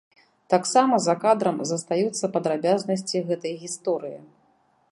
Таксама за кадрам застаюцца падрабязнасці гэтай гісторыі.